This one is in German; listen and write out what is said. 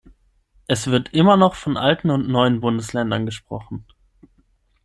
Es wird immer noch von alten und neuen Bundesländern gesprochen.